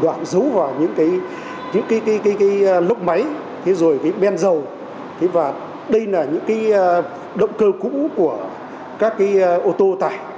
thủ đoạn giấu vào những cái lốc máy cái ben dầu đây là những cái động cơ cũ của các cái ô tô tải